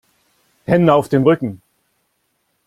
Die Hände auf den Rücken!